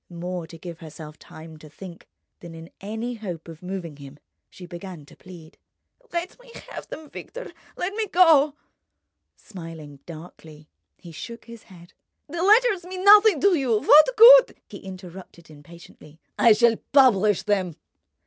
More to give herself time to think than in any hope of moving him, she began to plead: "Let me have them, Victor—let me go." Smiling darkly, he shook his head. "The letters mean nothing to you. What good—?" He interrupted impatiently: "I shall publish them."